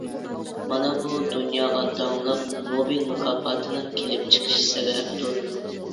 مانا بۇ دۇنياغا داڭلىق نوبېل مۇكاپاتىنىڭ كېلىپ چىقىش سەۋەبىدۇر.